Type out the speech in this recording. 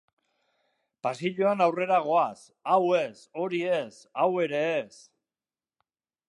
Pasilloan aurrera goaz, hau ez, hori ez, hau ere ez...